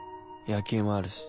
野球もあるし。